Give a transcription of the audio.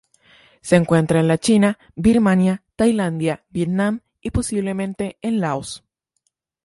Se encuentra en la China, Birmania, Tailandia, Vietnam y, posiblemente en Laos.